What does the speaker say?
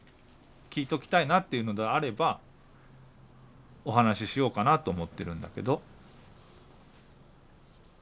「聞いときたいな」っていうのであればお話ししようかなと思ってるんだけど。